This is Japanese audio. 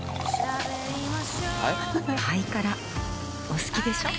お好きでしょ。